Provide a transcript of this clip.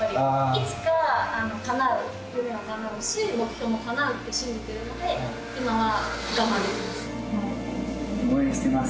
いつかかなう、夢はかなうし、目標もかなうって信じてるので、今は我慢できます。